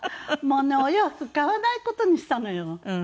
もうねお洋服買わない事にしたのよ。